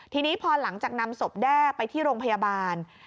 ทีนี้พอหลังจากนำศพแด้ไปที่โรงพยาบาล